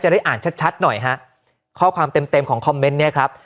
ได้อ่านชัดชัดหน่อยฮะข้อความเต็มเต็มของคอมเมนต์เนี้ยครับ